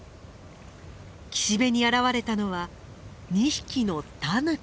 岸辺に現れたのは２匹のタヌキ。